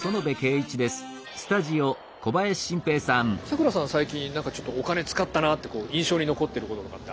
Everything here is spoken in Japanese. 咲楽さんは最近何かちょっとお金使ったなってこう印象に残ってることとかってあります？